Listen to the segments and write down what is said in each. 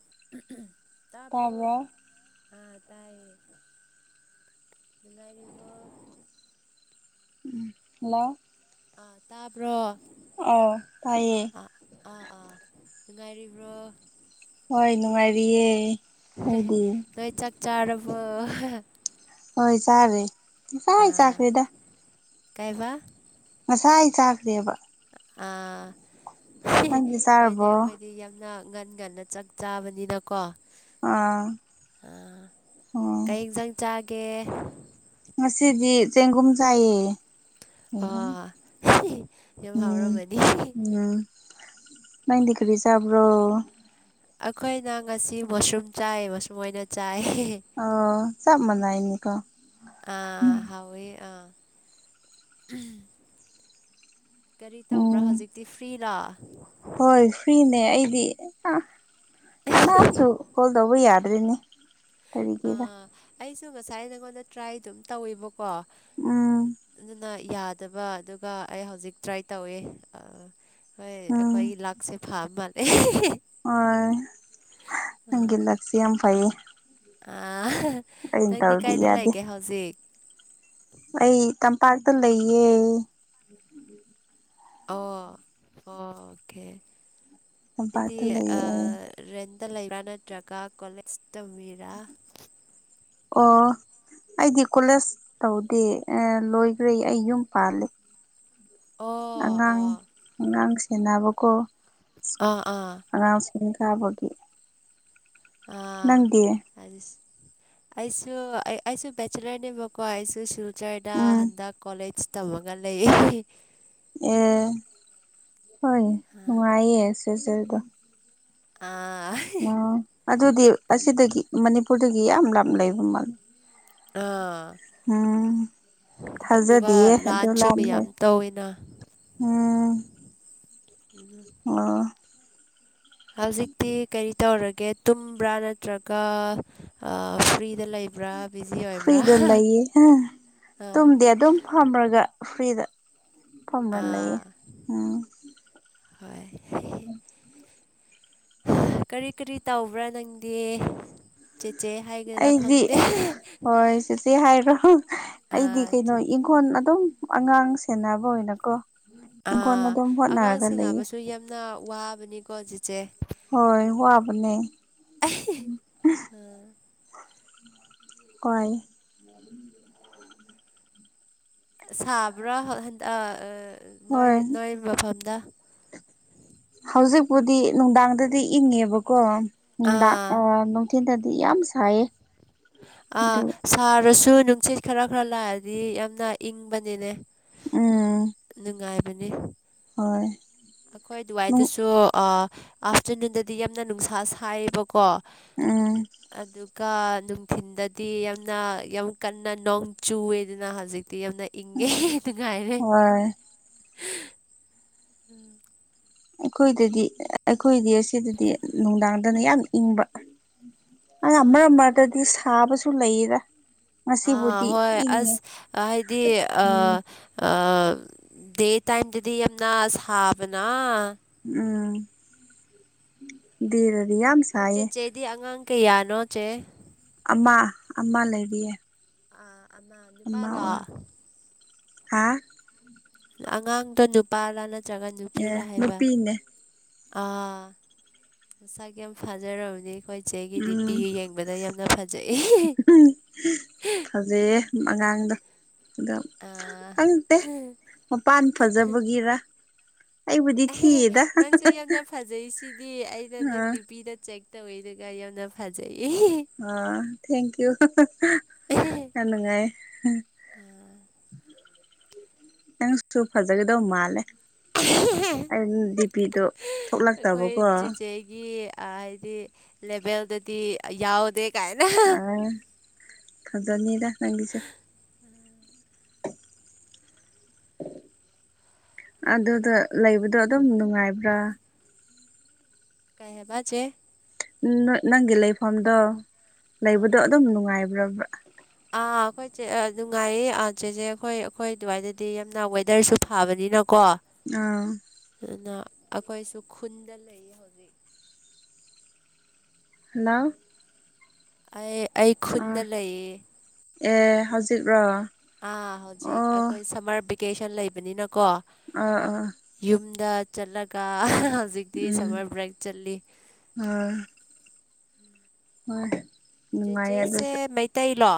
ꯎꯝ-ꯎꯝ ꯇꯕ꯭ꯔꫭ ꯇꯥꯕ꯭ꯔꯣ ꯅꯨꯡꯉꯥꯏꯔꯤꯕꯣ ꯎꯝ ꯑ ꯇꯕ꯭ꯔꫭ ꯑꯣ ꯇꯥꯏꯌꯦ ꯕ꯭ꯔꫭ ꯍꯣꯏ ꯅꯨꯡꯉꯥꯏꯔꯤꯌꯦ ꯅꯣꯏꯗꯤ ꯅꫭꯏ ꯆꯥꯛ ꯆꯥꯕꫭꯔ ꯍꯣꯏ ꯆꯥꯔꯦ ꯆꯁꯥꯏꯅ ꯆꯥꯈ꯭ꯔꯦꯗ ꯀꯩꯑꯕ ꯉꯁꯥꯏꯅ ꯑꯩ ꯆꯥꯈ꯭ꯔꯦꯕ ꯑꯥ ꯅꯪꯗꯤ ꯍꯣꯏꯅꯦ ꯆꯥꯔꯕꯣ ꯑꯩꯈꯣꯏꯗꯤ ꯌꯥꯝꯅ ꯉꯟ-ꯉꯟꯅ ꯆꯥꯛ ꯆꯥꯕꯅꯤꯅꯀꯣ ꯑꯥ ꯑ ꯑꯣ ꯀꯩ ꯏꯟꯖꯥꯡ ꯆꯥꯒꯦ ꯉꯁꯤꯗꯤ ꯆꯦꯡꯒꯨꯝ ꯆꯥꯏꯌꯦ ꯑꯣ ꯌꯥꯝ ꯎꯝ ꯍꯥꯎꯔꯝꯃꯅꯤ ꯎꯝ ꯅꯪꯗꯤ ꯀꯔꯤ ꯆꯕ꯭ꯔꫭ ꯑꯩꯈꯣꯏꯅ ꯉꯁꯤ ꯃꯁꯔꯨꯝ ꯆꯥꯏ ꯃꯁꯔꯨꯝ ꯑꯣꯏꯅ ꯆꯥꯏ ꯑꯣ ꯆꯞ ꯃꯅꯅꯤꯀꫭ ꯎꯝ ꯀꯔꯤ ꯇꯧꯕ꯭ꯔꯥ ꯎꯝ ꯍꯧꯖꯤꯛꯇꯤ ꯐ꯭ꯔꯤꯔꯥ ꯍꯣꯏ ꯐ꯭ꯔꯥꯏꯅꯦ ꯑꯩꯗꯤ ꯀꯅꯥꯁꯨ ꯀꯣꯜ ꯇꯧꯕ ꯌꯥ ꯑꯗꯨꯒꯤꯅꯦ ꯀꯔꯤꯒꯤꯔ ꯑꯥ ꯑꯩꯁꯨ ꯉꯁꯥꯏ ꯅꯉꯣꯟꯗ ꯇ꯭ꯔꯥꯏ ꯑꯗꯨꯝ ꯇꯧꯋꯦꯕꯀꯣ ꯎꯝ ꯑꯗꯨꯅ ꯌꯥꯗꯕ ꯑꯗꯨꯒ ꯑꯩ ꯍꯧꯖꯤꯛ ꯇ꯭ꯔꯥꯏ ꯇꯧꯋꯦ ꯍꯣꯏ ꯑꯩꯈꯣꯏꯒꯤ ꯂꯥꯛꯁꯦ ꯐꯥ ꯃꯥꯜꯂꯦ ꯑꫭꯡ ꯅꯪꯒꯤ ꯂꯛꯁ‌ꯦ ꯌꯥꯝ ꯐꯩꯌꯦ ꯑ ꯑꯩꯅ ꯅꯪꯗꯤ ꯇꯧꯔꯗꯤ ꯀꯥꯏꯗ ꯌꯥꯗꯦ ꯂꯩꯒꯦ ꯍꯧꯖꯤꯛ ꯄꯥꯠꯇ ꯂꯩꯌꯦ ꯑꯣ ꯑꯣꯀꯦ ꯑꯗꯨꯗꯤ ꯇꯝꯄꯥꯛꯇ ꯑ ꯂꯩꯌꯦ ꯑꯩ ꯔ‌ꯦꯟ ꯂꯩꯕ꯭ꯔꯥ ꯅꯠꯇ꯭ꯔꯒ ꯀꯣꯂꯦꯖ ꯇꯝꯃꯤꯔꯥ ꯑꯣ ꯑꯩꯗꯤ ꯀꯣꯂꯦꯖ ꯇꯧꯗꯦ ꯂꯣꯏꯈ꯭ꯔꯦ ꯑꯩ ꯌꯨꯝ ꯄꯥꯜꯂ‌ꯦ ꯑꯣ ꯑꯉꯥꯡꯅꯤ ꯑꯣ ꯑꯉꯥꯡ ꯁꯦꯟꯅꯕꯀꯣ ꯑꯥ ꯑꯥ ꯏꯀꯕꯒꯤ ꯑꯥ ꯅꯪꯗꯤ ꯑꯩꯁꯨ ꯑꯩꯁꯨ ꯕ‌ꯦꯆꯂꯔꯅꯦꯕꯀꯣ ꯑꯦꯁꯨꯁꯨ ꯆꯔꯗ ꯎꯝ ꯍꯟꯗꯛ ꯀꯣꯂꯦꯖ ꯇꯝꯃꯒ ꯂꯩꯌ‌ꯦ ꯑꯦ ꯍꯣꯏꯅ‌ꯦ ꯉꯥꯏꯌꯦ ꯁꯤꯜꯆꯔꯗꫭ ꯑꯥ ꯎꯝ ꯑꯗꯨꯗꯤ ꯑꯁꯤꯗꯒꯤ ꯃꯅꯤꯄꯨꯔꯗꯒꯤ ꯌꯥꯝ ꯂꯥꯞꯅ ꯂꯩꯕ ꯃꯥꯜ ꯑꯥ ꯎꯝ ꯑꯗꯨꯒ ꯊꯥꯖꯗꯤꯌꯦ ꯑꯗꯨ ꯂꯥꯟꯁꯨ ꯂꯥꯞ ꯃꯌꯥꯝ ꯂꯩ ꯇꯧꯋꯤꯅ ꯎꯝ ꯎꯝ ꯑꫭ ꯍꯧꯖꯤꯛꯇꯤ ꯀꯔꯤ ꯇꯧꯔꯒꯦ ꯇꯨꯝꯕ꯭ꯔꯥ ꯅꯠꯇ꯭ꯔꯒ ꯐ꯭ꯔꯤ ꯐꯨꯏꯗ ꯂꯩꯌꯦ ꯑ ꯑꯥ ꯇꯨꯝꯗꯤ ꯑꯗꯨꯝ ꯐꯝꯔꯒ ꯐ꯭ꯔꯤꯗ ꯐꯝꯅ ꯂꯩꯌꯦ ꯑꯥ ꯎꯝ ꯍꯣꯏ ꯀꯔꯤ ꯀꯔꯤ ꯇꯧꯕ꯭ꯔꯥ ꯅꯪꯗꯤ ꯆꯤꯠ ꯍꯥꯏꯒꯦꯔꯥ ꯑꯩꯗꯤ ꯈꯪꯗꯦ ꯍꯣꯏ ꯆꯦꯆꯦ ꯍꯥꯏꯔꯣ ꯑꯩꯗꯤ ꯑꯥ ꯀꯩꯅꯣ ꯏꯪꯈꯣꯟ ꯑꯗꯨꯝ ꯑꯉꯥꯡ ꯁꯦꯟꯅꯕ ꯑꯣꯏꯅꯀꯣ ꯏꯪꯈꯣꯜ ꯑꯥ ꯑꯗꯨꯝ ꯑꯉꯥꯡ ꯍꯣꯠꯅꯔꯒ ꯂꯩꯌꯦ ꯁꯦꯟꯅꯕꯁꯨ ꯌꯥꯝꯅ ꯋꯥꯕꯅꯤꯀꯣ ꯖꯤꯠ ꯍꯣꯏ ꯋꯥꯕꯅꯦ ꯎꯝ ꯀꯣꯏ ꯍꯣꯏ [unintelligible] ꯍꯧꯖꯤꯛꯄꯨꯗꯤ ꯅꯨꯡꯗꯥꯡꯗꯗꯤ ꯏꯪꯉꯦꯕꯀꯣ ꯅꯨꯡꯗꯥꯡ ꯑꯥ ꯑꯣ ꯅꯨꯡꯊꯤꯟꯗꯗꯤ ꯌꯥꯝ ꯁꯥꯏꯌꯦ ꯑꯥ ꯑꯗꯨ ꯁꯥꯔꯁꯨ ꯅꯨꯡꯁꯤꯠ ꯈꯔ ꯈꯔ ꯂꯥꯛꯑꯗꯤ ꯌꯥꯝꯅ ꯏꯪꯕꯅꯤꯅꯦ ꯎꯝ [unintelligible] ꯍꯣꯏ ꯑꯩꯈꯣꯏ ꯎꯝ ꯑꯗꯨꯋꯥꯏꯗꯨꯁꯨ ꯑ ꯑꯥꯐꯇꯔꯅꯨꯟꯗꯗꯤ ꯌꯥꯝꯅ ꯅꯨꯡꯁꯥ ꯁꯥꯏꯌꯦꯕꯀꯣ ꯑꯗꯨꯒ ꯅꯨꯡꯊꯤꯟꯗꯗꯤ ꯌꯥꯝꯅ ꯌꯥꯝ ꯀꯟꯅ ꯅꯣꯡ ꯆꯨꯋꯦꯗꯅ ꯍꯧꯖꯤꯛ ꯇꯤ ꯌꯥꯝꯅ ꯏꯪꯉꯦ ꯅꯨꯡꯉꯥꯏꯔꯦ ꯍꯣꯏ ꯎꯝ ꯑꯩꯈꯣꯏꯗꯗꯤ ꯑꯩꯈꯣꯏꯗꯤ ꯑꯁꯤꯗꯗꯤ ꯅꯨꯡꯗꯥꯡꯗꯅ ꯌꯥꯝ ꯏꯪꯕ ꯑꯌꯥꯝ ꯑꯥ ꯃꯔꯛ ꯃꯔꯛꯇꯥꯗꯤ ꯁꯥꯕꯁꯨ ꯂꯩꯌꯦꯗ ꯑꯥ ꯉꯁꯤꯕꯨꯗꯤ ꯍꯣꯏ ꯏꯪꯉꯦ ꯑꯁ ꯍꯥꯏꯗꯤ ꯑ ꯎꯝ ꯑ ꯗꯦ ꯇꯥꯏꯝꯗꯗꯤ ꯌꯥꯝꯅ ꯁꯥꯕꯅ ꯎꯝ ꯗꯦꯗ ꯍꯣꯏ ꯆꯦꯆꯦꯗꯤ ꯑꯉꯥꯡ ꯀꯩꯌꯥꯅꯣ ꯆꯦ ꯑꯃ ꯑꯃ ꯂꯩꯔꯤꯌꯦ ꯑꯥ ꯑꯃ ꯅꯨꯄꯥꯂꯣ ꯍꯥ ꯑꯉꯥꯡꯗꯣ ꯅꯨꯄꯥꯔꯥ ꯅꯠꯇ꯭ꯔꯒ ꯑꯦ ꯅꯨꯄꯤꯔꯥ ꯍꯥꯏꯕ ꯅꯨꯄꯤꯅꯦ ꯑꯥ ꯃꯁꯛ ꯌꯥꯝ ꯐꯥꯖꯔꯝꯅꯤ ꯑꯩꯈꯣꯏ ꯆꯦꯒꯤꯗꯤ ꯎꯝ ꯄꯤꯌꯦ ꯌꯦꯡꯕꯗ ꯌꯥꯝꯅ ꯐꯖꯩꯌꯦ ꯎꯝ ꯑꯉꯥꯡꯗꯣ ꯑꯗꯣ ꯑꯥ ꯈꯪꯇꯦ ꯃꯄꯥꯟ ꯐꯖꯕꯒꯤꯔ ꯑꯩꯕꯨꯗꯤ ꯑꯦꯍꯦꯍꯦ ꯊꯤꯌꯦꯗ ꯅꯪꯁꯨ ꯌꯥꯝꯅ ꯐꯖꯩꯁꯤꯗꯤ ꯑꯩꯗꯣ ꯅꯪ ꯑꯥ ꯗꯤꯄꯤꯗ ꯆꯦꯛ [unintelligible] ꯑ ꯊꯦꯡꯀꯌꯨ ꯍꯥꯍꯥ ꯌꯥꯝ ꯅꯨꯡꯉꯥꯏꯌꯦ [inaudible] ꯅꯪꯁꯨ ꯐꯖꯒꯗꯧ ꯃꯥꯜꯂꯦ ꯑꯟ ꯗꯤꯄꯤꯗꯣ ꯑꯩꯈꯣꯏ ꯊꯣꯛꯂꯛꯇꯕꯀꯣ ꯆꯦꯆꯦꯒꯤ ꯍꯥꯏꯗꯤ ꯂꯦꯚꯦꯜꯗꯗꯤ ꯌꯥꯎꯗꯦ ꯀꯥꯏꯅ ꯑ ꯐꯖꯅꯤꯗ ꯅꯪꯒꯤꯁꯨ [inaudible] ꯑꯗꯨꯗ ꯂꯩꯕꯗꯣ ꯑꯗꯨꯝ ꯅꯨꯡꯉꯥꯏꯕ꯭ꯔꯥ ꯀꯩ ꯍꯥꯏꯕꯥ ꯆꯦ ꯅꯣꯏ ꯅꯪꯒꯤ ꯂꯩꯐꯝꯗꯣ ꯑꯥ ꯂꯩꯕꯗꯣ ꯑꯗꯨꯝ ꯅꯨꯡꯉꯥꯏꯕ꯭ꯔꯕ꯭ꯔꯥ ꯑꯥ ꯑꯩꯈꯣꯏ ꯆꯦ ꯑꯥ ꯅꯨꯡꯉꯥꯏꯌꯦ ꯑꯥ ꯆꯦꯆꯦ ꯑꯩꯈꯣꯏ ꯑꯩꯈꯣꯏ ꯑꯗꯨꯋꯥꯏꯗꯗꯤ ꯌꯥꯝꯅ ꯋꯦꯗꯔꯁꯨ ꯐꯥꯕꯅꯤꯅ ꯀꯣ ꯑꯥ ꯑꯗꯨꯅ ꯑꯩꯈꯣꯏꯁꯨ ꯈꯨꯟꯗ ꯂꯩꯌꯦ ꯍꯧꯖꯤꯛ [inaudible] ꯑꯩ ꯑꯩ ꯑꯥ ꯈꯨꯟꯗ ꯂꯩꯌꯦ ꯑꯦ ꯍꯧꯖꯤꯛꯔꯣ ꯑꯥ ꯍꯧꯖꯤꯛ ꯑꯣ ꯑꯩꯈꯣꯏ ꯁꯝꯃꯔ ꯚꯦꯀꯦꯁꯟ ꯂꯩꯕꯅꯤꯅꯀꯣ ꯑꯥ ꯑꯥ ꯌꯨꯝꯗ ꯆꯠꯂꯒ ꯍꯥ ꯍꯧꯖꯤꯛꯇꯤ ꯎꯝ ꯁꯝꯃꯔ ꯕ꯭ꯔꯦꯛ ꯆꯠꯂꯤ ꯑꯥ ꯍꯣꯏ ꯆꯦ ꯅꯨꯡꯉꯥꯏꯌꯦ ꯑꯗꯨꯁꯨ ꯆꯦꯁꯦ ꯃꯩꯇꯩꯥꯏ ꯂꯣ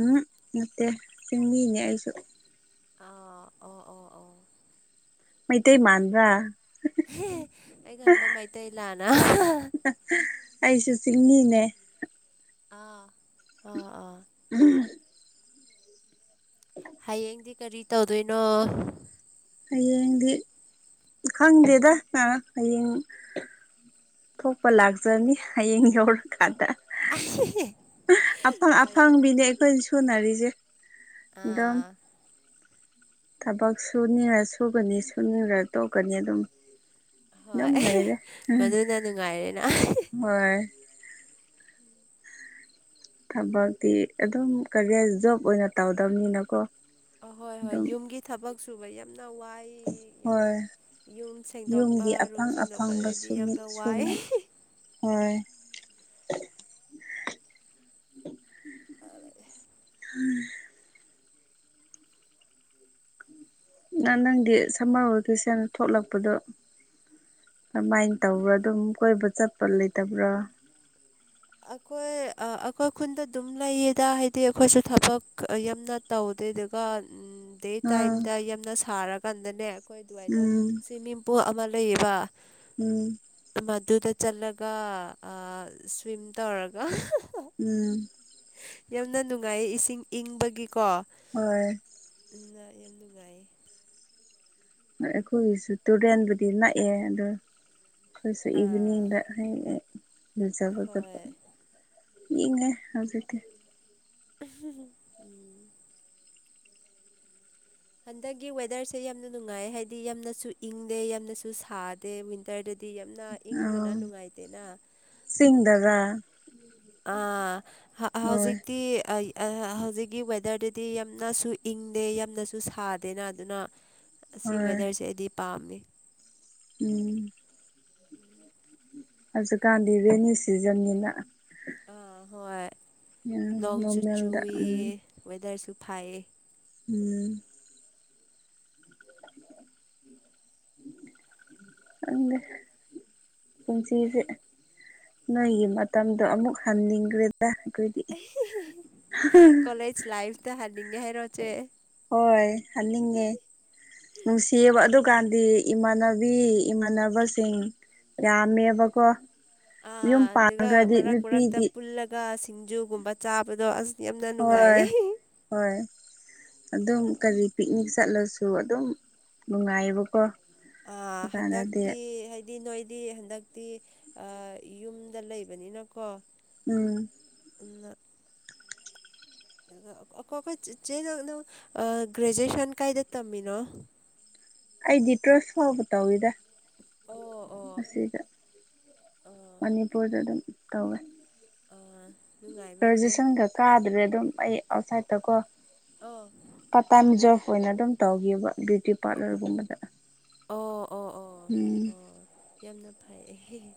ꯎꯝ ꯅꯠꯇꯦ ꯁꯤꯤꯡꯃꯤꯅꯦ ꯑꯩꯁꯨ ꯑꯥ ꯑꯣ ꯑꯣ ꯑꯣ ꯃꯩꯇꯩ ꯃꯥꯟ꯭ꯔꯥ ꯑꯩꯒꯣꯟꯕ ꯃꯩꯇꯩ ꯂꯥꯅ ꯆꯤꯡꯍꯤꯅꯦ ꯑꯥ ꯑꯥ ꯑꯥ ꯎ ꯍꯌꯦꯡꯗꯤ ꯀꯔꯤ ꯇꯧꯗꯣꯏꯅꯣ ꯍꯌꯦꯡꯗꯤ ꯈꯪꯗꯦꯗ ꯍꯌꯦꯡ ꯊꯣꯛꯄ ꯂꯥꯛꯆꯅꯤ ꯍꯌꯦꯡ ꯌꯧꯔꯀꯥꯟꯗ ꯑꯪ ꯍꯣꯏꯅꯦ ꯑꯐꯪꯕꯤꯅꯦ ꯑꯩꯈꯣꯏꯅ ꯁꯨꯅꯔꯤꯁꯦ ꯗꯣ ꯑꯥ ꯊꯕꯛ ꯁꯨꯅꯤꯡꯔ ꯁꯨꯒꯅꯤ ꯁꯨꯅꯤꯡꯔ ꯇꯣꯛꯀꯅꯤ ꯑꯗꯨꯝ ꯅꯝ ꯍꯣꯏ ꯂꯩꯗ ꯎꯝ ꯃꯗꯨꯅ ꯅꯨꯡꯉꯥꯏꯔꯦꯅ [unintelligible] ꯊꯕꯛꯇꯤ ꯑꯗꯨꯝ ꯀꯔꯤ ꯖꯣꯕ ꯑꯣꯏꯅ ꯇꯧꯗꯕꯅꯤꯅꯀꯣ ꯑꯍꯣꯏ ꯍꯣꯏ ꯑꯗꯨꯝ ꯌꯨꯝꯒꯤ ꯊꯕꯛ ꯁꯨꯕ ꯌꯥꯝ ꯌꯥꯝꯅ ꯋꯥꯏ ꯍꯣꯏ ꯌꯥꯝꯅ ꯌꯨꯝ ꯁꯦꯡꯗꯣꯛꯄ ꯌꯨꯝꯒꯤ ꯔꯨꯝ ꯑꯐꯪ ꯑꯐꯪꯕ ꯁꯦꯡꯗꯣꯛꯄꯗꯗꯤ ꯌꯥꯝꯅ ꯋꯥꯏ ꯁꯨꯅ [unintelligible] ꯍꯣꯏ ꯎꯝ ꯅꯪꯗꯤ ꯁꯝꯃꯔ ꯚꯦꯀꯦꯁꯟ ꯊꯣꯛꯂꯛꯄꯗꯣ ꯑꯗꯨꯃꯥꯏꯅ ꯇꯧꯕ꯭ꯔꯥ ꯑꯗꯨꯝ ꯀꯣꯏꯕ ꯆꯠꯄ ꯂꯩꯇꯕ꯭ꯔꯥ ꯑꯩꯈꯣꯏ ꯑꯩꯈꯣꯏ ꯈꯨꯟꯗ ꯑꯗꯨꯝ ꯂꯩꯌꯦꯗ ꯍꯥꯏꯗꯤ ꯑꯩꯈꯣꯏꯁꯨ ꯊꯕꯛ ꯌꯥꯝꯅ ꯇꯧ ꯇꯩꯗꯒꯥꯥ ꯗꯗꯩ ꯑꯥ ꯇꯥꯏꯝꯗ ꯌꯥꯝꯅ ꯁꯥꯔꯀꯥꯟꯗꯅꯦ ꯑꯩꯈꯣꯏ ꯑꯗꯨꯋꯥꯏꯗ ꯎꯝ ꯁ꯭ꯋꯤꯃꯤꯡꯄꯨꯜ ꯑꯃ ꯂꯩꯌꯦꯕ ꯎꯝ ꯃꯗꯨꯨꯗ ꯆꯂꯒ ꯑ ꯁ꯭ꯋꯝ ꯇ ꯑꯣꯔꯒ ꯎꯝ ꯌꯥꯝꯅ ꯅꯨꯡꯉꯥꯏꯌꯦ ꯏꯁꯤꯡ ꯏꯪꯕꯒꯤꯀꯣ ꯍꯣꯏ ꯌꯥꯝꯅ ꯌꯥꯝ ꯅꯨꯡꯉꯥꯏ ꯑꯩꯈꯣꯏꯒꯤꯁꯨ ꯇꯨꯔꯦꯟꯕꯨꯗꯤ ꯅꯛꯑꯦ ꯑꯗꯣ ꯑꯩꯁ ꯑꯥ ꯏꯚꯅꯤꯡꯗ ꯍ ꯂꯨꯖꯕ ꯆꯕ ꯍꯣꯏ ꯃꯤꯅꯦ ꯍꯧꯖꯤꯛꯇ ꯎꯝ ꯍꯟꯗꯛꯀꯤ ꯋꯦꯗꯔꯁꯦ ꯌꯥꯝꯅ ꯅꯨꯡꯉꯥꯏ ꯍꯥꯏꯕꯗꯤ ꯌꯥꯝꯅꯁꯨ ꯏꯪꯗꯦ ꯌꯥꯝꯅꯁꯨ ꯁꯥꯗꯦ ꯋꯤꯟꯇꯔꯗ ꯗꯤ ꯌꯥꯝꯅ ꯏꯪꯕꯅ ꯑꯥ ꯅꯨꯡꯉꯥꯏꯇꯦꯅ ꯆꯤꯡꯗꯔꯥ ꯑ ꯍꯣꯏ ꯍꯧꯖꯤꯛꯇꯤ ꯑ ꯍꯧꯖꯤꯛꯀꯤ ꯋꯦꯗꯔꯗꯗꯤ ꯌꯥꯝꯅꯁꯨ ꯏꯪꯗꯦ ꯌꯥꯝꯅꯁꯨ ꯁꯥꯗꯦꯅ ꯑꯗꯨꯅ ꯑꯁꯤ ꯍꯣꯏ ꯋꯦꯗꯔꯁꯦ ꯑꯩꯗꯤ ꯄꯥꯝꯃꯤ ꯎꯝ ꯍꯧꯖꯤꯛꯀꯥꯟꯗꯤ ꯔꯦꯅꯤ ꯁꯤꯖꯟꯅꯤꯅ ꯑꯥ ꯍꯣꯏ ꯎꯝ ꯅꯣꯡꯁꯨ ꯅꯣꯔꯃꯦꯜꯗ ꯆꯨꯏ ꯎꯝ ꯋꯦꯗꯔꯁꯨ ꯐꯥꯏꯌꯦ ꯎꯝ [inaudible] ꯑꯅꯦ ꯄꯨꯟꯁꯤꯁꯦ ꯅꯣꯏꯒꯤ ꯃꯇꯝꯗꯣ ꯑꯃꯨꯛ ꯍꯟꯅꯤꯡꯈ꯭ꯔꯦ ꯀꯂꯦꯖ ꯂꯥꯏꯐ ꯇ ꯍꯂꯤꯉ ꯍꯦ ꯔꯆꯦ ꯍꯣꯏ ꯑꯒꯦ ꯅꯨꯡ ꯁꯤꯌꯥꯕ ꯑꯗꯨ ꯍꯧꯖꯤꯀꯥꯟꯗꯤ ꯏꯃꯥꯟꯅꯕꯤ ꯏꯃꯥꯟꯅꯕꯁꯤꯡ ꯌꯥꯝꯃꯦꯕꯀꯣ ꯌꯨꯝ ꯑꯥ ꯑꯗꯨꯒ ꯄꯥꯟꯈ꯭ꯔꯗꯤ ꯃꯔꯛ ꯃꯔꯛꯇ ꯅꯨꯄꯤꯗꯤ ꯄꯨꯜꯂꯒ ꯁꯤꯡꯖꯨꯒꯨꯝꯕ ꯆꯥꯕꯗꯣ ꯑꯁ ꯌꯥꯝꯅ ꯍꯣꯏ ꯅꯨꯡꯉꯥꯏꯌꯦ ꯍꯣꯏ ꯑꯗꯨꯝ ꯀꯔꯤ ꯄꯤꯅꯤꯛ ꯆꯠꯂꯁꯨ ꯑꯗꯨꯝ ꯅꯨꯡꯉꯥꯏꯌꯦꯕꯀꯣ ꯑ ꯗꯨꯀꯥꯟꯗꯗꯤ ꯍꯟꯗꯇ ꯍꯥꯏꯗꯤ ꯅꯣ ꯗꯤ ꯍꯟꯗꯛꯇꯤ ꯌꯨꯝꯗ ꯂꯩꯕꯅꯤꯅꯀꯣ ꯎꯝ ꯄꯨꯂꯞ ꯑꯗꯨꯗꯑ ꯑ ꯑꯈꯣ ꯆꯦ ꯅꯪꯪ ꯅꯪ ꯒ꯭ꯔꯦꯖꯨꯑꯦꯁꯟ ꯀꯥꯏꯗ ꯇꯝꯃꯤꯅꯣ [inaudible] ꯑꯩꯗꯤ ꯇ꯭ꯔꯁ ꯐꯥꯎꯕ ꯇꯧꯋꯤꯗ ꯑꯣ ꯑꯣ ꯑꯁꯤꯗ ꯑꯣ ꯃꯅꯤꯄꯨꯔꯗ ꯑꯗꯨꯝ ꯇꯧꯋꯦ ꯑꯥ ꯅꯨꯡꯉꯥꯏꯕ꯭ꯔꯣ ꯆꯦ ꯔꯣꯖꯤꯁꯟꯒ ꯀꯥꯗ꯭ꯔꯦ ꯑꯗꯨꯝ ꯑꯩ ꯑꯥꯎꯠꯁꯥꯏꯠꯇ ꯀꯣ ꯑꯣ ꯇꯥꯏꯝ ꯖꯣꯔꯞ ꯑꯣꯏꯅ ꯑꯗꯨꯝ ꯇꯧꯒꯤꯕ ꯕ꯭ꯌꯨꯇꯤ ꯄꯥꯔꯂꯔꯒꯨꯝꯕꯗ ꯑꯣ ꯑꯣ ꯑꯣ ꯎꯝ ꯑꯣ ꯌꯥꯝꯅ ꯐꯩ ꯑꯦ ꯍꯦ ꯍꯦ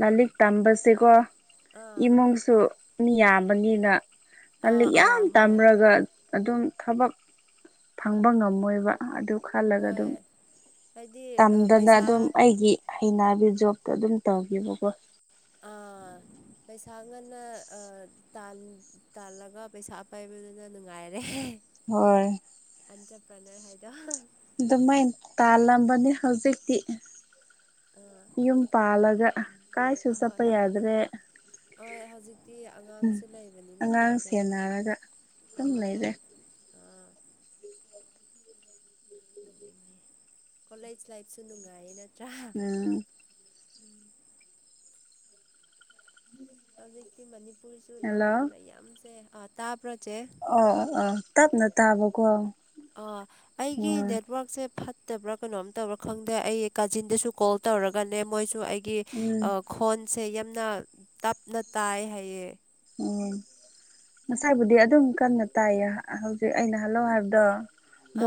ꯂꯥꯏꯂꯤꯛ ꯇꯝꯕꯁꯦꯀꯣ ꯑꯥ ꯏꯃꯨꯡꯁꯨ ꯃꯤ ꯌꯥꯝꯕꯅꯤꯅ ꯑꯥ ꯂꯥꯏꯂꯤꯛ ꯑꯥ ꯌꯥꯝ ꯍꯣꯏ ꯇꯝꯔꯒ ꯑꯗꯨꯝ ꯊꯕꯛ ꯐꯪꯕ ꯉꯝꯃꯣꯏꯕ ꯑꯗꯨ ꯈꯜꯂꯒ ꯍꯣꯏ ꯑꯗꯨꯝ ꯍꯥꯏꯗꯤ ꯑ, ꯇꯝꯗꯅ ꯄꯩꯁꯥ ꯑꯗꯨꯝ ꯑꯩꯒꯤ ꯍꯩꯅꯕꯤ ꯖꯣꯕꯇꯣ ꯑꯗꯨꯝ ꯇꯧꯒꯤꯕꯀꯣ ꯑꯥ ꯄꯩꯁꯥ ꯉꯟꯅ ꯑ ꯇꯥꯜꯂꯒ ꯄꯩꯁꯥ ꯄꯥꯏꯕꯗꯨꯅ ꯅꯨꯡꯉꯥꯏꯔꯦ ꯍꯣꯏ ꯏꯟꯇꯔꯄ꯭ꯔꯅꯔ ꯍꯥꯏꯗꯣ ꯑꯗꯨꯃꯥꯏ ꯇꯥꯜꯂꯝꯕꯅꯤ ꯍꯧꯖꯤꯛꯇꯤ ꯑꯥ ꯌꯨꯝ ꯄꯥꯜꯂꯒ ꯀꯥꯏꯁꯨꯨ ꯑꯍꯣꯏ ꯆꯠꯄ ꯌꯥꯗ꯭ꯔꯦ ꯍꯣꯏ ꯍꯧꯖꯤꯛꯇꯤ ꯑꯉꯥꯡꯁꯨ ꯂꯩꯕꯅꯤꯅ ꯀꯣ ꯆꯦ ꯇꯨꯝ ꯑꯥ ꯂꯩꯔꯦ ꯍꯣꯏ ꯑꯥ ꯀꯣꯂꯦꯖ ꯂꯥꯏꯐꯁꯨ ꯅꯨꯡꯉꯥꯏꯌꯦ ꯅ ꯎꯝ ꯍꯧꯖꯤꯛꯇꯤ ꯃꯅꯤꯄꯨꯔꯁꯨ ꯍꯜꯂꯣ ꯂꯥꯟ ꯃꯌꯥꯝꯁꯦ ꯑ ꯇꯥꯞ ꯑꯣ ꯑꯣ ꯇꯞꯅ ꯇꯥꯕꯀꯣ ꯑ ꯑꯩꯒꯤ ꯎꯝ ꯅꯦꯠꯋꯔꯛꯁꯦ ꯐꯠ ꯇꯕ꯭ꯔꯥ ꯀꯩꯅꯣꯝ ꯇꯧꯕ꯭ꯔꯥ ꯈꯪꯗꯦ ꯑꯩ ꯀꯥꯖꯤꯟꯗꯁꯨ ꯀꯣꯜ ꯇꯧꯔꯒꯅꯦ ꯃꯣꯏꯁꯨ ꯑꯩ ꯒꯤ ꯎꯝ ꯑ ꯈꯣꯟꯁꯦ ꯌꯥꯝꯅ ꯇꯞꯅ ꯇꯥꯏꯌꯦ ꯍꯥꯏꯌꯦ ꯎꯝ ꯉꯁꯥꯏꯕꯨꯗꯤ ꯑꯗꯨꯝ ꯀꯟꯅ ꯇꯥꯏꯌꯦ ꯍꯧꯖꯤꯛ ꯑꯩꯅ ꯍꯜꯂꯣꯑꯣ ꯍꯥꯏꯕꯗꯣ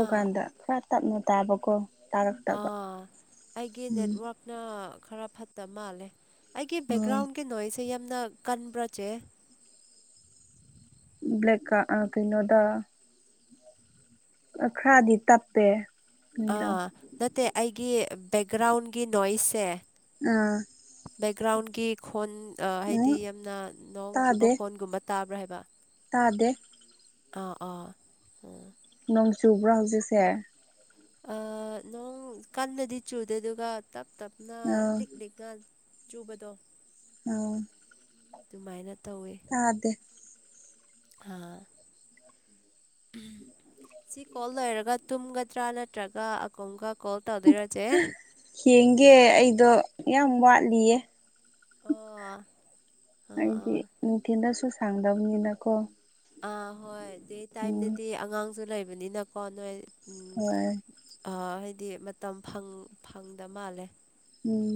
ꯑꯥ ꯈꯔ ꯇꯞꯅ ꯇꯥꯕꯀꯣ ꯇꯥꯔꯛꯇꯕ ꯑꯥ ꯑꯩꯒꯤ ꯎꯝ ꯅꯦꯠꯋꯥꯔꯛꯅ ꯈꯔ ꯐꯠꯇꯕ ꯃꯥꯜꯂꯦ ꯑꯩꯒꯤ ꯎꯝ ꯕꯦꯛꯒ꯭ꯔꯥꯎꯟꯒꯤ ꯅꯣꯏꯁ ꯁꯦ ꯌꯥꯝꯅ ꯀꯟꯕ꯭ꯔꯥ ꯆꯦ ꯕ꯭ꯂꯦꯛ ꯀ ꯑꯥ ꯀꯩꯅꯣꯗꯥ ꯈꯔꯗꯤ ꯇꯞꯄꯦ ꯅꯪꯗꯣ ꯑꯥ ꯅꯠꯇꯦ ꯑꯩꯒꯤ ꯕꯦꯛꯒ꯭ꯔꯥꯎꯟꯒꯤ ꯅꯣꯏꯁꯁꯦ ꯑꯥ ꯒ꯭ꯔꯥꯎꯟꯒꯤ ꯈꯣꯟ ꯎꯝ ꯍꯥꯏꯗꯤ ꯌꯥꯝꯅ ꯅꯣꯡ ꯆꯨꯕ ꯇꯥꯗꯦ ꯈꯣꯟꯒꯨꯝꯕ ꯇꯥꯕ꯭ꯔꯥ ꯍꯥꯏꯕ ꯇꯥꯗꯦ ꯑꯥ ꯑꯥ ꯑꯣ ꯅꯣꯡ ꯆꯨꯕ꯭ꯔꯥ ꯍꯧꯖꯤꯛꯁꯦ ꯑꯥ ꯅꯣꯡ ꯀꯟꯅꯗꯤ ꯆꯨꯗꯦ ꯑꯗꯨꯒ ꯇꯞ ꯇꯞꯅ ꯑꯥ ꯂꯤꯛ ꯂꯤꯛꯅ ꯆꯨꯕꯗꯣ ꯎꯝ ꯑꯗꯨꯃꯥꯏꯅ ꯇꯥꯗꯦ ꯑ ꯎꯝ ꯁꯤ ꯀꯣꯜ ꯂꯣꯏꯔꯒ ꯇꯨꯝꯒ ꯇ꯭ꯔꯥ ꯅꯠꯇ꯭ꯔꯒ ꯑꯀꯣꯡꯒ ꯍꯡꯒꯦ ꯑꯩꯗꯣ ꯌꯥꯝ ꯋꯥꯠꯂꯤꯌꯦ ꯑꯣ ꯑꯩꯗꯤ ꯑꯥ ꯅꯨꯡꯊꯤꯟꯗꯁꯨ ꯁꯥꯡꯗꯕꯅꯤꯅꯀꯣ ꯑꯥ ꯍꯣꯏ ꯗꯩ ꯎꯝ ꯇꯥꯏꯝꯗꯗꯤ ꯑꯉꯥꯡꯁꯨ ꯂꯩꯕꯅꯤꯅꯀꯣ ꯅꯣꯏ ꯎꯝ ꯍꯣꯏ ꯍꯥꯏꯗꯤ ꯃꯇꯝ ꯐꯪꯗ ꯃꯥꯜꯂꯦ ꯎꯝ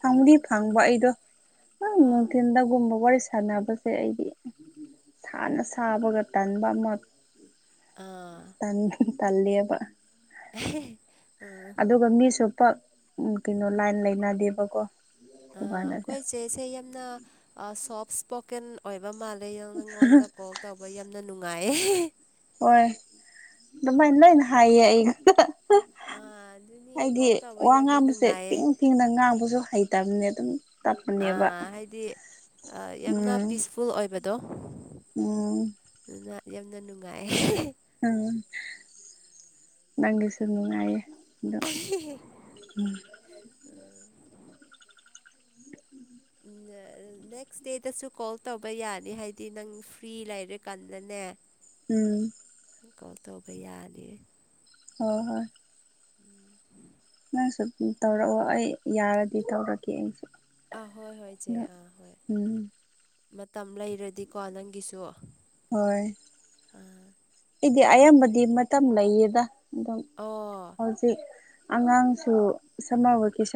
ꯐꯪꯗꯤ ꯐꯪꯕ ꯑꯩꯗꯣ ꯎꯪ ꯑꯥ ꯅꯨꯡꯊꯤꯟꯗꯒꯨꯝꯕ ꯋꯥꯔꯤ ꯁꯥꯟꯅꯕꯁꯦ ꯑꯩꯗꯤ ꯁꯥꯅ ꯁꯥꯕꯒ ꯇꯟꯕ ꯑꯃ ꯑꯥ ꯇꯟ ꯇꯜꯂꯤꯂꯤꯌꯥꯕ [unintelligible] ꯑꯗꯨꯒ ꯃꯤꯁꯨ ꯄꯛ ꯀꯩꯅꯣ ꯂꯥꯏꯟ ꯂꯩꯅꯗꯦꯕꯀꯣ ꯑ ꯗꯨꯀꯥꯟꯗꯁꯦ ꯑꯩꯈꯣꯏ ꯆꯦꯁꯦ ꯌꯥꯝꯅ ꯁꯣꯐ ꯏꯁꯄꯣꯀꯦꯟ ꯑꯣꯏꯕ ꯃꯥꯜꯂ ꯑꯗ ꯅꯪꯉꯣꯟꯗ ꯀꯣꯜ ꯇꯧꯕ ꯌꯥꯝꯅ ꯅꯨꯡꯉꯥꯏꯌꯦ ꯍꯣꯏ ꯑꯗꯨꯃꯥꯏꯅ ꯂꯣꯏꯅ ꯍꯥꯏꯌꯦ ꯑꯩ ꯑꯥ ꯑꯗꯨꯅꯤ ꯍꯥꯏꯗꯤ ꯀꯣꯜ ꯇꯧꯕ ꯋꯥ ꯌꯥꯝꯅ ꯉꯥꯡꯕꯁꯦ ꯅꯨꯡꯉꯥꯏꯌꯦ ꯄꯤꯡ ꯄꯤꯡꯅ ꯉꯥꯡꯕꯁꯨ ꯍꯩꯇꯕꯅꯦ ꯑꯗꯨꯝ ꯇꯞꯄꯅꯦꯕ ꯑꯥ ꯍꯥꯏꯗꯤ ꯌꯥꯝꯅ ꯄꯤꯁꯐꯨꯜ ꯑꯣꯏꯕꯗꯣ ꯑ ꯑꯗꯨꯅ ꯌꯥꯝꯅ ꯅꯨꯡꯉꯥꯏ ꯎꯝ ꯅꯪꯒꯂꯤ ꯁꯅꯅꯨꯡꯉꯑꯌꯦ ꯑꯗꯣ ꯎꯝ ꯎ ꯅꯦꯛꯁ ꯗꯦꯗꯁꯨ ꯀꯣꯜ ꯇꯧꯕ ꯌꯥꯅꯤ ꯍꯥꯏꯗꯤ ꯅꯪ ꯐ꯭ꯔꯤ ꯂꯩꯔꯦ ꯀꯥꯟꯗꯅꯦ ꯎꯝ ꯀꯣ ꯇꯧꯕ ꯌꯥꯅꯤ ꯍ ꯍꯣꯏ ꯎꯝ ꯅꯪꯁꯨ ꯇꯧꯔꯛꯑꯣ ꯑꯩ ꯌꯥꯔꯗꯤ ꯇꯧꯔꯛꯀꯦ ꯑꯩꯁꯨ ꯑꯥ ꯍꯣꯏ ꯍꯣꯏꯆꯦ ꯑꯗꯣ ꯑꯥ ꯍꯣꯏ ꯎꯝ ꯃꯇꯝ ꯂꯩꯔꯗꯤꯀꯣ ꯅꯪꯒꯤꯁꯨ ꯍꯣꯏ ꯑꯥ ꯑꯩꯗꯤ ꯑꯌꯥꯝꯕꯗꯤ ꯃꯇꯝ ꯂꯩꯌꯦꯗ ꯑꯝ ꯍꯧꯖꯤꯛ ꯑꯉꯥꯡꯁꯨ ꯁꯝꯃꯔ ꯚꯦꯀꯦꯁꯟ